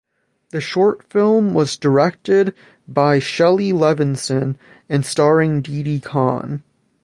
The short film was directed by Shelley Levinson and starring Didi Conn.